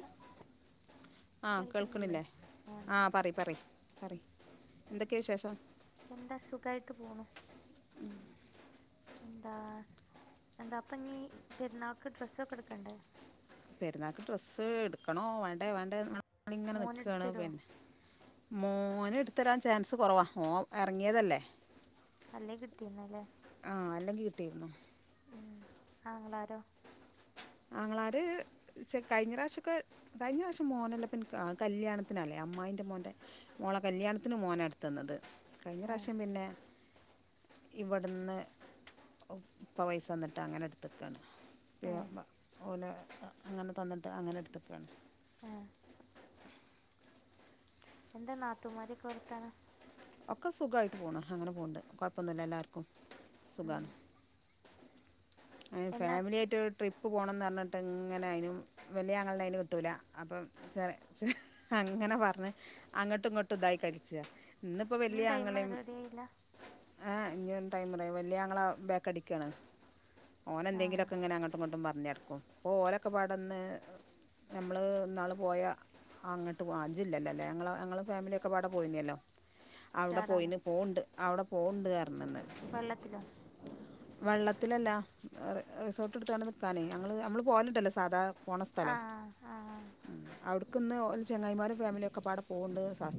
ഹസ് ആഹ് കേൾക്കണില്ലേ ആ ഉണ്ട്. പറി പറി പറി എന്തൊക്കെ വിശേഷം എന്താ സുഖമായിട്ട് പോണു എന്താ എന്താ അപ്പം നീ പെരുന്നാൾക്ക് ഡ്രസ്സൊക്കെ എടുക്കണ്ടേ പെരുന്നാക്ക് ഡ്രസ്സ് എടുക്കണോ വേണ്ടേ വേണ്ടേ ഇങ്ങനെ മോൻ എടുത്തു നക്കാണ് തരുമോ പിന്നെ മോന് എടുത്തരാൻ ചാൻസ് കുറവാണ് മോ ഇറങ്ങിയതല്ലേ അല്ലേ കിട്ടിന്നല്ലേ ആഹ് അല്ലെങ്കിൽ കിട്ടിയിരുന്നു ഉം ആങ്ങളാരോ. ആങ്ങളാര്. പഷേ കയിഞ്ഞറാശ്യൊക്കെ കയിഞ്ഞ പ്രാവശ്യം മോനല്ല പിന്ന കല്യാണത്തിനാല്ലേ അമ്മായിന്റെ മോൻ്റെ. മോളെ കല്യാണത്തിന് മോനാടുത്തന്നത് കയിഞ്ഞ ഏ പ്രാവശ്യം പിന്നെ. ഇവിടുന്ന് ഇപ്പ പൈസന്നിട്ടങ്ങനെ എട് എടുത്തക്കാണ് പി ഏ ഓല അങ്ങനെ തന്നിട്ട് അങ്ങനെ എടുത്തക്കണ്. ആഹ് എന്താ നാത്തുമാരൊക്കെ വർത്താനം. ഒക്കെ സുഖായിട്ട് പോണ് അങ്ങനെ പോണ്ട് കൊഴപ്പന്നുല്ല എല്ലാർക്കും ഉം. സുഖാണ് അയ്ന് എന്നാ ഫാമിലിയായിട്ട് ട്രിപ്പ് പോണംമെന്ന് പറഞ്ഞിട്ട് ഇങ്ങനെ അയിനും വല്യ അങ്ങളെ അയിന് കിട്ടൂല്ല അപ്പം ചെറ ചെ അങ്ങനെ പറഞ്ഞ് അങ്ങട്ടും ഇങ്ങട്ടും ഇതായി കളിച്ച ഇന്നിപ്പോ ഇനിയും വല്യ ടൈം ആങ്ങളേം റെഡി ആയില്ല ആഹ് ഇനി ടൈം പറയാ വല്യ ആങ്ങള ബേക്ക്ടിക്കാണ് ആ ഓനെന്തെങ്കിലൊക്കെ ഇങ്ങനെ അങ്ങോട്ടും ഇങ്ങോട്ടും പറഞ്ഞടുക്കുംപ്പലൊക്കെ പാടൊന്ന് നമ്മള്ന്നാള് പോയ അങ്ങട്ട് പോ ജില്ലല്ലോല്ലേ ഞ ഞങ്ങളും ഫാമിലിയൊക്കെപാടെ പോയിനല്ലോ അവിടെ ചാടാനോ പോയിന് പോണ്ട് അവിടെ പോണ്ട് പറഞ്ന്ന് വെള്ളത്തിലോ വെള്ളത്തിലല്ല റ് റിസോർട്ട് എടുത്താണ്ട്‌ നിക്കാനേ ഞങ്ങള് നമ്മള് പോവലിണ്ടല്ലോ സാധാ പോണ ആ സ്ഥലം ആ ആ ആ അവിടുക്കിന്ന് ഓല് ചെങ്ങായിമാരും ഫാമിലിയൊക്കെ ഒക്കെപാടെ പോണ്ട് സാർ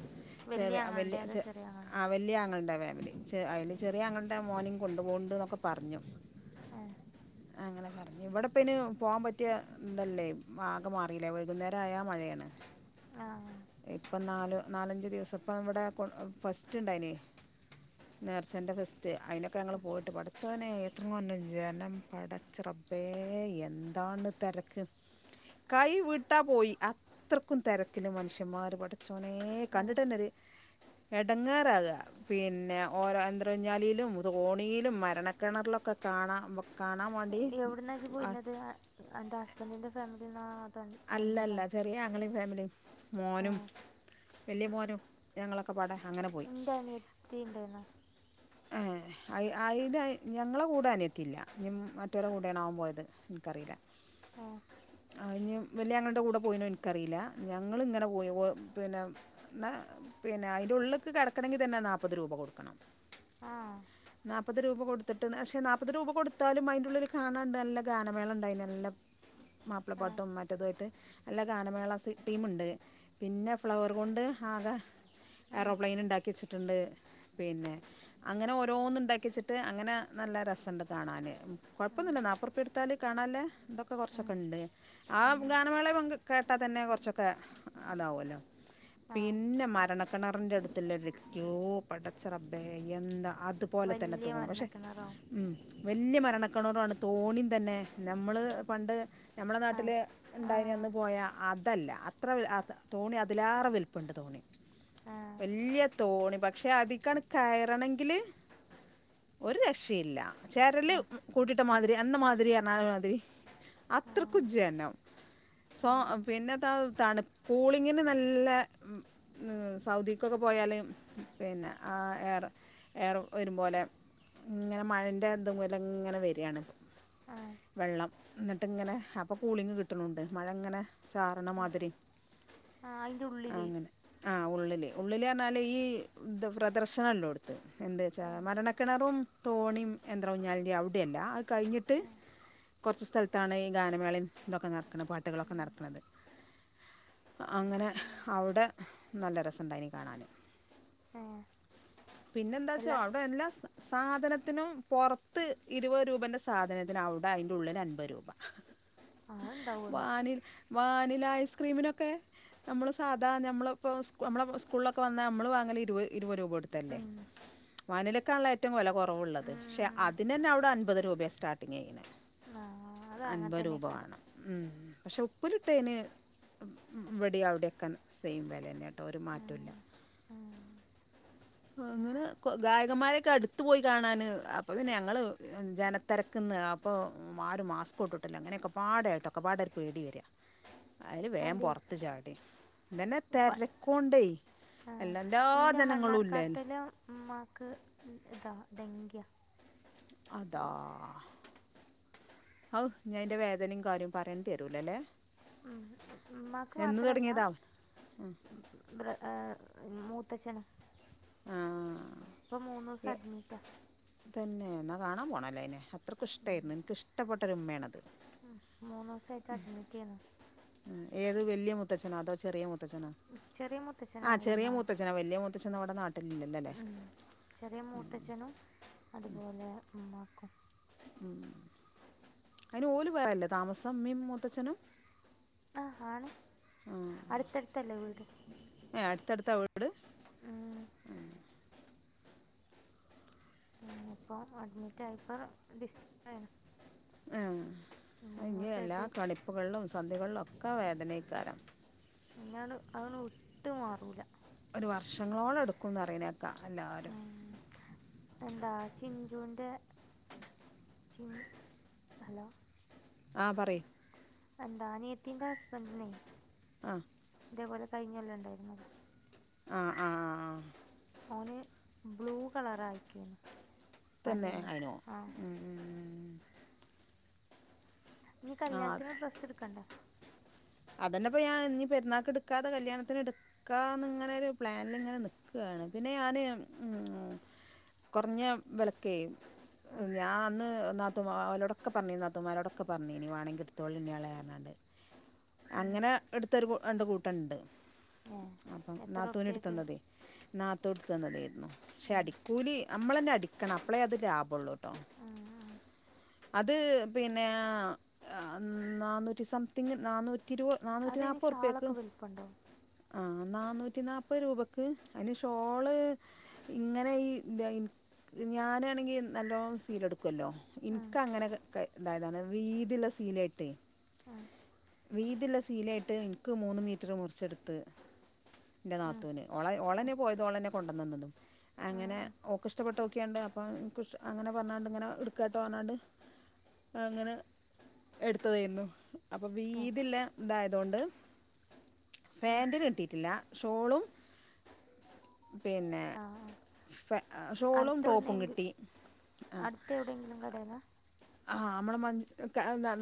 വലിയ ചെറിയ ആങ്ങളുടെ വല്യ അതോ ചെ ചെറിയ ആങ്ങളുടെ ആ വല്യ അങ്ങള്ടെ ഫാമിലി ചെ അയില് ചെറിയ അങ്ങള്ടെ മോനേം കൊണ്ട് പോണുണ്ട്‌ന്നൊക്കെ പറഞ്ഞു ഏഹ് അങ്ങനെ പറ ഇവിടെപ്പിനെ പോവാൻ പറ്റ്യഇതല്ലേ ആകെ മാറില്ലേ വൈകുന്നേരായ മഴയാണ് ആഹ് ഇപ്പം നാല് നാലഞ്ചദിവസപ്പം ഇവിടെ ഫസ്റ്റ് ഇണ്ടയിനിം നേർച്ചന്റെ ഫെസ്റ്റ് അയിനൊക്കെ ഞങ്ങള് പോയിട്ട് പടചോനെ എത്രങ്ങാ ജനം പടച്ചറബേ എന്താണ് തെരക്ക് കൈ വീട്ടാപോയി അത്രക്കും തെരക്കിൽ മനുഷ്യന്മാർ പട ചോനേ ആ കണ്ടിട്ടനൊര് എടങ്ങാറാക പിന്നെ ഓരോ എന്ത്രഞ്ഞാലീലും തോണിലും മരണക്കെണറിലൊക്കെ കാണമ് എവിടന്നജ് പോയിന്നത് അന്റെ ഹസ്ബന്റിന്റെ ഫാമിലിന്നാ അല്ല അല്ല ചെറിയഅങ്ങളേം ഫാമിലിം ആ മോനും വല്യ മോനും ഞങ്ങളൊക്കെപടടെ അങ്ങനെ പോയി ഇന്റെ അനിയത്തി ഇണ്ടെന്നു ഏഹ് അ അയിൽ ഞങ്ങളെ കൂടെ അനിയത്തില്ല ഇനി മറ്റോരുടെയാണാവോ പോയത് ൻക്കറീല്ല ആഹ് അയ്ഞ് വല്യങ്ങളുടെ കൂടെ പോയിനോ ഇൻക്കറില്ല ഞങ്ങള് ഇങ്ങനെ പോ പോയി പിന്നെ ന്ന പിന്നെ അയിന്റെ ഉള്ളക്ക് കെടക്കണെങ്കി തന്നെ നാല്പ്പത് രൂപ കൊടുക്കണം ആഹ് നാല്പ്പത് രൂപ കൊടുത്തിട്ട് പക്ഷെ നാല്പ്പത് രൂപ കൊടുത്താലും അയിന്റുള്ളിൽ കാണാൻ നല്ല ഗാനമേളണ്ടയിനി നല്ല ആ മാപ്പ്ളപാട്ടും മ റ്റതായിട്ട് നല്ല ഗാനമേള സെറ്റ് ടീമിണ്ട് പിന്നെ ഫ്ലവർ കൊണ്ട് ആകെ ഉം, ഏറോപ്ലെയിന്ണ്ടാക്കി വെച്ചിട്ടുണ്ട് പിന്നെ അങ്ങനെ ഓരോന്നിണ്ടാക്ക്യച്ചിട്ട് അങ്ങനെ നല്ല രസണ്ട് കാണാന് ഉം, കൊഴപ്പന്നുല്ല നാപ്പുറപ്യ കൊടുത്താല് കാണല്ലെ ഇതൊക്കെ ഉം, കൊറച്ചൊക്കെണ്ട് ആ ഉം. ഗാനമേളെ കേട്ടാ തന്നെ കൊറച്ചൊക്കെ താവല്ലോ ആ പിന്നെ മരണക്കെണറിന്റെ അട്തല്ലോ യ്യോ പടച്ചറബ്ബേ എന്താ അതുപോലെ തന്നെ വലിയ തോന്നും പക്ഷെ മരണക്കിണറാവും മ് വല്ല്യ മരണക്കിണറുആണ് തൊണീം തന്നെ നമ്മള് പണ്ട് നമ്മളെ ആ നാട്ടില് ആ ഉണ്ടായിന് അന്ന് പോയ അതല്ല അത്ര വ തോണി അതിലാറെ വൽപ്പണ്ട് തോണി ആ വല്യ തോണി പക്ഷെ അതീക്കണ് കയറണങ്കില് ഒര് രക്ഷയില്ല ചെരൽ ആ കൂടി ഇന്ത മാതിരി അന്ന മാതിരി എന്ന മാതിരി ആ അത്രക്കും ജനോം ആ സോ പിന്നെതാ തണു കൂളിങ്ങിന് നല്ല സൗദിക്കൊക്കെ പോയാല് പിന്നെ ആഹ് എയർ എയർ വരും പോലെ ഇങ്ങനെ മഴൻ്റെ എന്ത്‌ പോലെ ഇങ്ങനെ വരാണ് ആ വെള്ളം ന്നിട്ട്ങ്ങനെ അപ്പൊ കൂളിങ് കിട്ടണുണ്ട് മഴങ്ങനെ ആ ചാർണമാതിരി ആ അതിൻ്റെ ഉള്ളിൽ അങ്ങനെ ആഹ് ഉള്ളില് ഉള്ളിലറഞ്ഞാല് ഈ ത് പ്രദർശനല്ലോടുത്ത് എന്ത്‌ ച്ചാ ആ മരണ കിണറും തോണിയും എന്ത്ര ഊഞാലിൻ്റെ അവിടെയല്ല അത് കഴിഞ്ഞിട്ട് കുറച്ച് സ്ഥല താണ് ഇ ഗാനമേളയും തൊക്കെ നടക്കണ പാട്ടുകളൊക്കെ ഉം, നടക്കുന്നത് അങ്ങനെ ഉം. അവിടെ നല്ല രസംണ്ടായിനി കാണാൻ ഏ പിന്നെ ന്താ ച്ച അല്ല അവിടെ എല്ലാ സ സാധനത്തിനും പുറത്ത് ഇരുപത് രൂപേന്റെ സാധനത്തിനവിടെ അയ്ന്റെ ഉള്ളില് അൻപത് രൂപ ആ ഉണ്ടാവുമല്ലോ വാനിൽ വാനില ഐസ്ക്രീമിനൊക്കെ നമ്മള് സാധാ ഞമ്മള് പ്പൊ സ് ഞമ്മള സ്കൂൾളൊക്കെ വന്നാ മ്മള് വാങ്ങല് ഇരുത് ഇരുപത് രൂപ കൊടു തല്ലേ ഉം, വാനിലക്കണല്ലേ ഏറ്റവും വെല കൊറവുള്ളത് പക്ഷെ ഉം. അതിനെന്നെ അവിടെ അൻപത് രൂപ സ്റ്റാർട് ട്ടിങ്ങെയ്യുന്നേ ആ അത് അങ്ങനെ അൻപ തന്നെ രൂപ കാരം വേണം ഉം പക്ഷെ ഉപ്പിലിട്ടെയ്ന് വിടിം അവിടോക്കെൻ സെയിം വിലന്നെ ട്ട ഒരു മാറ്റോ ല്ല ആഹ് അങ്ങനെ ഗായകന്മാരൊക്കെ അടുത്ത പോയി കാണാന് അപ്പൊ പിന്നെ ഞങ്ങള് ജന തിരക്ക്ന്ന് അപ്പോ ആരും മാസ്കുട്ടിട്ടില്ല അങ്ങനെ ഒക്കെപ്പാടെടൊക്കപ്പാടെ ഒരു പേടി വര അയില് വേം അതെ പൊറത്ത് ചാടി ഇതന്നെ ഇപ്പം തിരക്കോണ്ടേ എല്ലന്റാ എൻ്റെ ജനങ്ങളും ഇല്ലേന് മണ്ണാർക്കാട്ടിലെ ഉമ്മാക്ക് ഇതാ ഡങ്ക്യ അതാ ഔ ഞ്ഞി അയിന്റെ വേദനേം കാര്യോം പറയേണ്ടിരൂലല്ലേ ഉം ഉമ്മാ ക്ക് മാത്രല്ല ബ്ര ആ മ്മൂത്തച്ഛന് ആ പ്പൊ മൂന്നൂസം എ- അഡ്മിറ്റാ തന്നെ ന്നാ കാണാൻ പോണോല്ലേ അയിനെ അത്രയ്ക്കും ഇഷ്ടായിയിരുന്നു എനിക്കിഷ്ടപ്പെട്ട ഒരു ഉമ്മയാണത് ഉം മൂന്നൂസോയിറ്റ് അഡ്മിറ്റ് യ്ന്ന് ണ് ഉം. ഏത് വല്യ മുത്തഛനാ അതോ ചെറിയ മുത്തച്ഛനോ ചെറിയ ആഹ് മുത്തച്ഛനാണല്ലോ ചെറിയ നാട്ടിൽ മൂത്തച്ഛന വല്യ മൂത്തച്ഛന നമ്മടെ നാട്ടിലില്ലല്ലോല്ലേ ഉം. ചെറിയ മൂത്തച്ഛനും അതുപോലെ ഉമ്മാക്കും ഉം അയ്ന് ഓല് വേറല്ലേ താമസം ഉമീം മുത്തച്ഛനും അഹ് ഹാണ് അടുത്തടുത്തല്ലേ വീട് ഏഹ് അടുത്തടുത്ത വീട് ഉം. ഉം ഇപ്പോം അഡ്മിറ്റായപ്പോ ഡിസ് [unintelligible] ഹെ അയ് ഞ്ഞില്ലാ ദിവസമായിട്ട് കളിപ്പുകളിലും സന്ധികളിലും ഒക്കെ വേദനയ്ക്കാരം ഇഞ്ഞാണ് അതൊന്നും വിട്ട് മാറൂല്ല ഒരു വർഷങ്ങളോളം എടുക്കുംന്ന് പറിണേക്ക എല്ലാരും ഉം എന്താ ചിഞ്ചുന്റെറെ ചിൻ ഹലോ ആഹ് പറി എന്താ അനിയത്തിന്റെ ഹസ്ബൻഡിനെ അഹ് ഇതേപോലെ കിഴിഞ്ഞൊല്ലം ഉണ്ടായിരന്നല്ലോ ആഹ് ആഹ് ഓന് ബ്ലൂ കളർ ആയിക്യുന്നു പനി തന്നെ വന്നിട്ട് അതിനോ ആഹ് ഇനി കല്യാണത്തിന് ഡ്രസ്സ് എടുക്കണ്ടേ അതന്നെപ്പോ ഞാൻ ഇനി പരുന്നാൾക്ക് എടുക്കാതെ കല്യാണത്തിന് എടു ക്കാന്ന ഇങ്ങനെരു പ്ലാനിൽ ഇങ്ങനെ നി ക്കുവാണ് പിന്നെ ഞാന് ഉ കുറഞ്ഞ വിലക്കെ ഉം, ഞാ അന്ന് നാത്തൂൻമാ ഓലോടൊക്കെ പറഞ്ഞ് നാത്തുമാരോടൊക്കെ പറഞ്ഞ് ഇനി വേണോങ്കിൽ എടുത്തോളിൻ ഇനി എളേ ഒരെണ്ണം ഒണ്ട് ഉം. അങ്ങനെ എടുത്തൊരു രണ്ട് കൂട്ടം ഇണ്ട് ഏ അപ്പം എത്ര നാത്തൂൻ എടുത്ത് ഉറുപ്പ്യക്ക് തന്നതെ നാത്തൂൻ എടുത്ത് തന്നതായിരുന്നു പക്ഷെ അടിക്കൂലി നമ്മളന്നെ അടിക്കണം അപ്പളേ അത് ലാഭുള്ളൂ ട്ടോ അത് പിന്നെ നാന്നൂറ്റി സംതിങ് നാന്നൂറ്റിരുപ നാനൂറ്റി അതിന് നാല്പ്പത് റുപ്പയക്ക് ഷാളൊക്കെ വലിപ്പുണ്ടോ ആഹ് നന്നൂറ്റി നാല്പ്പത് രൂപക്ക് അതിന് ഷോള് ഇങ്ങനെ ഈ ഞാനാണെങ്കി നല്ലോണം സീല് എടുക്കും ക്കല്ലോ ഉം, ഇൻക്ക് അങ്ങനെ കയ് ഇതായതാണ് വീതിയുള്ള സീലായിട്ടേ ആഹ് വീതില്ല സീലായിട്ട് എനിക്ക് മൂന്ന് മീറ്റർ മുറിച്ചെടുത്ത് എൻ്റെ ഉം, നാത്തൂന് ഓളെ ഉം, ഓളെന്നെ പോയതും ഓളെന്നെ കൊണ്ടുതന്നതും ഉം, അങ്ങനെ ഉം. ഓക്ക്‌ ഇഷ്ടപ്പെട്ട ക്യാൻഡ് അപ്പൊ എനിക്കും ഇഷ് അങ്ങനെ പറഞ്ഞാണ്ട് ഇങ്ങനെ എടുക്കാട്ട് പറഞ്ഞാണ്ട് അങ്ങനെ എടുത്തതായിരുന്നു അപ്പൊ ഏ, വീതില്ല ഇതായതോണ്ട് ഉം. പാന്റിന് കിട്ടിയിട്ടില്ല ഷോളും പിന്നെ ആ ആ പാ ഷോളും ടോപ്പും അടുത്തെവിടുന്നെങ്കിൽ കിട്ടി അടുത്ത് എവിടെയെങ്കിലും കടെന്നാ ആഹ് നമ്മള് മ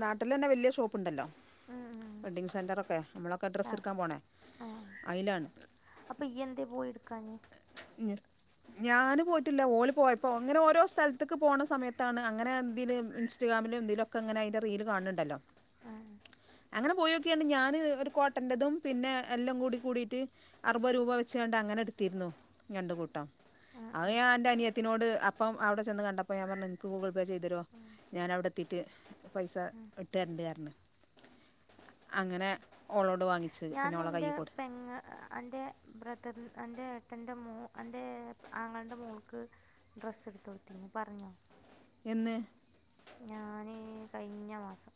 നാട്ടിൽ തന്നെ വലിയ ഷോപ്പ് ഉണ്ടല്ലോ ഉം, ഉം. ഉം. വെഡ്ഡിങ് സെന്ററൊക്കെ നമ്മളൊക്കെ ആ ഡ്രസ്സ് എടുക്കാൻ പോണേ അയിലാണ് അപ്പൊ ഈയെന്തേ പോയി എടുക്കാഞ്ഞെ ഞിർ ഞാന് പോയിട്ടില്ല ഓല് പോയപ്പോ അങ്ങനെ ഓരോ സ്ഥലത്ത്ക്ക് പോണ സമയത്താണ് അങ്ങനെ എന്തിലെ ഇൻസ്റ്റഗ്രാമിലും എന്തിലോ ക്ക്‌ അങ്ങനെ അതിന്റെ റീൽ കാണുന്നുണ്ടല്ലോ ആഹ് അങ്ങനെ പോയിനോക്കിയാണ് ഞാന് ഒരു കോട്ടന്റെതും പിന്നെ എല്ലാം കൂടി കൂടിട്ട് അറുപത് രൂപ വെച്ച് കാണ്ടെ അങ്ങനെ എടുത്തിരുന്നു രണ്ടു കൂട്ടം ഉം, അത് ഉം, ഞാൻ എന്റെ അനിയത്തിനോട് അപ്പം അവിടെ ചെന്ന് കണ്ടപ്പോ ഞാൻ പറഞ്ഞു നിന്ക്ക് ഗൂഗിൾ പേ ചെയ്തി ടൊ ഉം, ഞാൻ അവടെ എത്തീട്ട് പൈസ ഉം. ഇട്ട് തെരണ്ട് പറഞ്ഞു അങ്ങനെ ഓളോട് വാങ്ങിച്ച് ഞാൻ പിന്നെ ഓളെ നിന്റെ കയ്യിൽ കൊടു പെങ്ങ അന്റെ ബ്രതർ എൻ്റെ ഏട്ടൻ്റെ മോ എൻ്റെ ആങ്ങളുടെ മോൾക്ക് ഡ്രസ്സ് എടുത്ത് കൊടുത്തീന്ന് പറഞ്ഞോ എന്ന് ഞാന് കഴിഞ്ഞ മാസം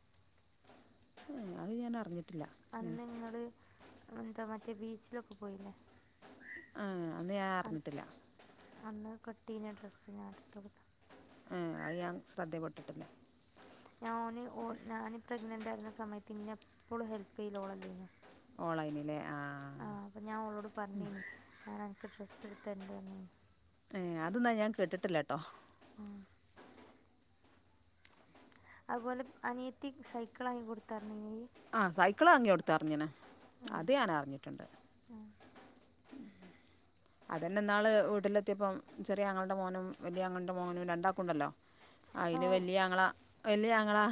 അഹ് അത് ഞാൻ അറിഞ് അന്നിങ്ങള് എന്തോ മറ്റേ ബീച്ചിലൊക്കെ പോയില്ലേ ആഹ് അന്ന് ഞാൻ അറിഞ്ഞിട്ടില്ല അന്ന് കട്ട് ചെയുന്ന ഡ്രസ്സ് ഞാൻ അടുത്ത് കൊടുത്ത ആഹ് അത് ഞാൻ ശ്രെദ്ധെപ്പെട്ടിട്ടില്ല ഞ ഓന് ഓ ഞാന് പ്രഗ്നന്റായിരുന്ന സമയത്ത് ഇന്ന എപ്പോളും ഹെല്പ് ചെയ്യിലോളല്ലേയ്നൊ ഓൺലൈനിലെ ആ ആഹ് അപ്പൊ ഞാൻ ഓളോട് പറഞ്ഞേനി ഞാൻ അനക്ക് ഡ്രസ് എടുത്തരണ്ട് പറഞേനി ഏ അതന്നാ ഞാൻ കേട്ടിട്ടില്ല കേട്ടോ ആഹ് അതുപോലെ അനിയത്തി സൈക്കിളാക്കി കൊടുത്ത അറിഞ്ഞി നീയ് ആഹ് സൈക്കിള് വാങ്ങി കൊടുത്ത അറിഞ്ഞിന് ആ അത് ഞാൻ അറിഞ്ഞിട്ടുണ്ട് ഉം. അതന്നെ ഇന്നാള് വീട്ടിലെത്തിയപ്പം ചെറിയ ആങ്ങൾടെ മോനും വലിയ ആങ്ങൾടെ മോനും രണ്ടാക്കുണ്ടല്ലോ ആ അയില് വല്യ ആങ്ങള വല്യ ആങ്ങളാ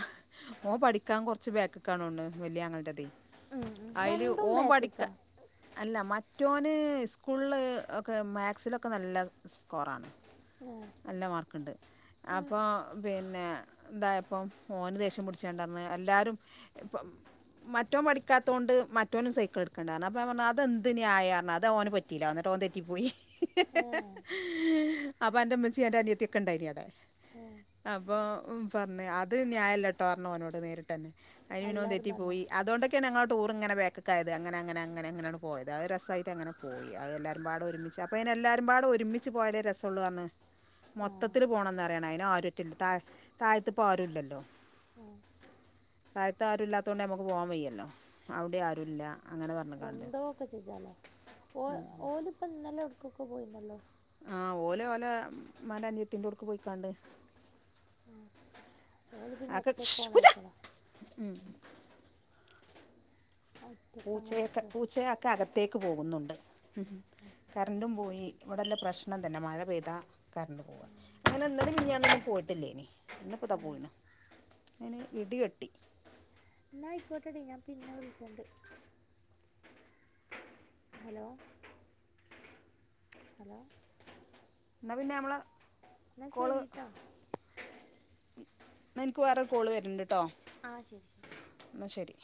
ഓം പഠിക്കാം കൊർച്ച് ബേക്ക്ക്കാണോൺണ് വല്യ ആങ്ങൾന്റെദെ ഉം രണ്ടും ബെക്ക്ക്ക അല്ല മറ്റോന് സ്കൂൾല് ഒക്കെ മാക്സിലൊക്കെ നല്ല സ്കോറാണ് ഏ, നല്ല മാർക്ക്‌ണ്ട് അപ്പൊ പിന്നെ തായപ്പം ഓന് ദേഷ്യം പുട്ച്ചാണ്ടന്ന് എല്ലാരും ഇപ്പം മ മറ്റോൻ പഠിക്കാത്തൊണ്ട് മറ്റൊനും സൈക്കിള് ഇട്ക്കണ്ടാർ ഞ് അപ്പോ ഞാൻ പർഞ് അതന്ത് ന്യായാർഞ് അത്ഓന് പറ്റീല ന്നട്ട് ഓൻ തെ റ്റി പോയി ഏ അപ്പ അന്റെ മ്മച്ചി അന്റെ അനിയത്തി ഒക്ക ഇണ്ടായിനിവ്ടെ ഉം അപ്പൊ പർഞ് അത് ന്യായല്ലട്ടോ അർഞ്ഞോനോട് നേരിട്ടന്നെ അയില് പിന്നെ ഓൻ എല്ലാരും തെറ്റി പറഞ്ഞോ പോയി [unintelligible] അതോണ്ടെക്കെണ് ഞങ്ങളെ ടൂർ ഇങ്ങന ബെക്ക്‌ക്കായത് അങ്ങനെ അങ്ങന അങ്ങനെ ങ്ങനെണ്ട് പോയത് രസായിട്ട്ങ്ങനെ പോയി അ പാടെ ഒരുമിച് അപ്പ അയ് ന് എല്ലാരുംപാടെ ഒരുമിച്ച് പോയാലേ രസള്ളോർഞ് ആ മൊത്തത്തില് പോണംന്നറിയണം അയിന് ആരുറ്റ ത തായ്ത്തിപ്പോ ആരുല്ലല്ലോ ഏ തായ്ത്ത് ആരുല്ലാത്ത കൊണ്ട് നമുക്ക് പോവാൻ വയ്യല്ലോ അവ്ടിം ആരുല്ല കൊണ്ടോവൊ ഒക്കെ ചെജ്ജാലോ ഓ ഓല് ഇപ്പ ഇന്നലെ എവ്ട്ക്കൊക്കെ പോയിന്നല്ലോ ആ ഓല് ഓലെ മ്മാന്റെ അൻജ്ജത്തിന്റോട്ക്ക് പോയിക്കാണ്ട് ആ ഓല് പിന്നെ അഒക്ക ഷ് ഒറ്റക്ക് പൂച്ച ഓണായിട്ടടാ ഒറ്റക്ക് അങ്ങനെ പൂച്ചയക്കെ ഇട്ടതാ. പൂച്ചയക്ക അകത്തേക്ക് പോകുന്നുണ്ട് കറന്റും പോയി ഇവിടള്ള പ്രശ്നം തന്നെ മഴ പെയ്താ കരണ്ട് പോവും അങ്ങനെ ഇന്നലിം മിനിഞാന്നൊന്നും പോയിട്ടില്ലേനി ഇന്ന്പ്പതാ ആ പോയിണ് ഇനി ഇടി വെട്ടി ന്നാ അയ്ക്കൊട്ട ടി ഞാൻ പിന്നെ വിൾച്ചണ്ട് ഹലോ ഹലോ ന്നാ പിന്നെ അമ്മളെ എന്നാ കോള് ശരി കേട്ടോ ന്ന ഇൻക്ക് വാറെര് കോള് വര്ണ്ട് ട്ടോ ആ ശരി ശരി ന്നാ ശരി